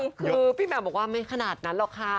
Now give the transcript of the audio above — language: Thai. คือพี่แหม่มบอกว่าไม่ขนาดนั้นหรอกค่ะ